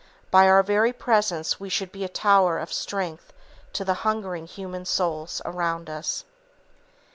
By our very presence we should be a tower of strength to the hungering human souls around us.